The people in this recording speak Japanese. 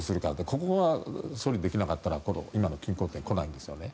ここが処理できなかったら今の均衡点が来ないんですよね。